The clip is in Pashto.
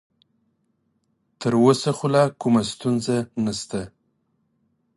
تر اوسه خو لا کومه ستونزه نشته.